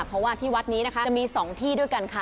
เพราะว่าที่วัดนี้นะคะจะมี๒ที่ด้วยกันค่ะ